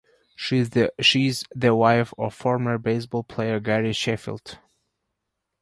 She is the wife of former baseball player Gary Sheffield.